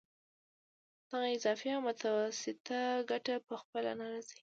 دغه اضافي او متوسطه ګټه په خپله نه راځي